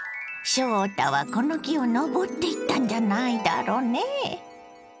翔太はこの木を登っていったんじゃないだろねぇ。